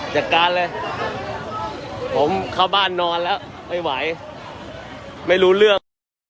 จัดการเลยผมเข้าบ้านนอนแล้วไม่ไหวไม่รู้เรื่อง